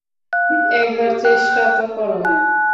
একবার চেষ্টা তো করো!